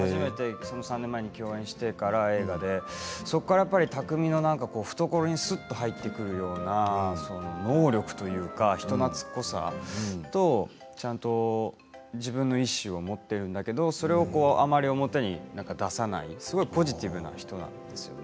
３年前に初めて映画で共演してから匠海の懐にすっと入ってくるような能力というか、人なつっこさとちゃんと自分の意志を持っているんだけどそれをあまり表に出さないすごくポジティブな人なんですよね。